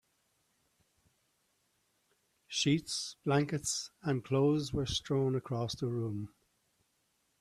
Sheets, blankets, and clothes were strewn across the room.